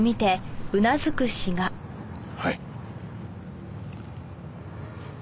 はい。